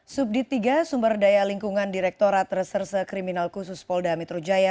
subdit tiga sumber daya lingkungan direktorat reserse kriminal khusus polda metro jaya